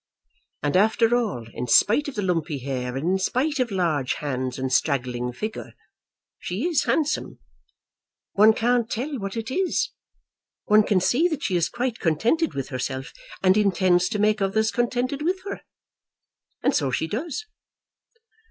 And after all, in spite of the lumpy hair, and in spite of large hands and straggling figure, she is handsome. One can't tell what it is. One can see that she is quite contented with herself, and intends to make others contented with her. And so she does."